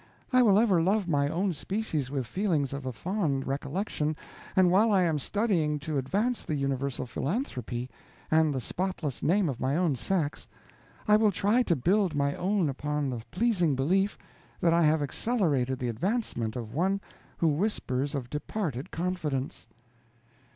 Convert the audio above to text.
I will ever love my own species with feelings of a fond recollection, and while I am studying to advance the universal philanthropy, and the spotless name of my own sex, I will try to build my own upon the pleasing belief that I have accelerated the advancement of one who whispers of departed confidence.